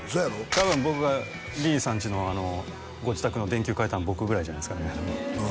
多分僕がリリーさんちのご自宅の電球替えたの僕ぐらいじゃないですかね